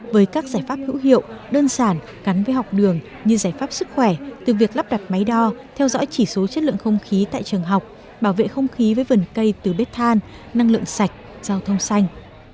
với các giải pháp hữu hiệu đơn giản gắn với học đường như giải pháp sức khỏe từ việc lắp đặt máy đo theo dõi chỉ số chất lượng không khí tại trường học bảo vệ không khí với vần cây từ bếp than năng lượng sạch giao thông xanh